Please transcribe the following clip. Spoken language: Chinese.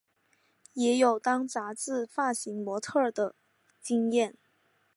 也有当杂志发型模特儿的经验。